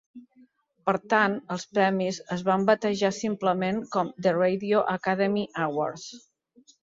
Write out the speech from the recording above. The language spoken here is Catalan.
Per tant, els premis es van batejar simplement com "The Radio Academy Awards".